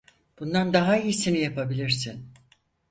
Bundan daha iyisini yapabilirsin.